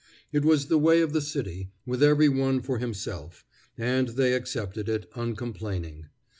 It was the way of the city, with every one for himself; and they accepted it, uncomplaining.